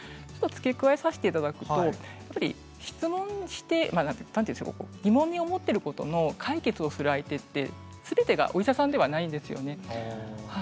付け加えさせていただくと質問して疑問に思っていることも解決する相手ってすべてがお医者さんではないんですね。